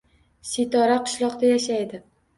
Sitora qishloqda yashaydi